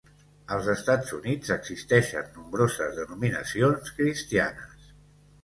Als Estats Units existeixen nombroses denominacions cristianes.